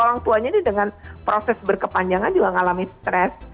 karena orang tua orang tuanya dengan proses berkepanjangan juga mengalami stres